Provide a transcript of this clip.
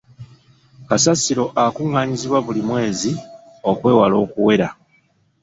Kasasiro akungaanyizibwa buli mwezi okwewala okuwera.